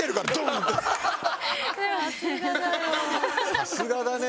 さすがだよ。